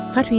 phát huy tây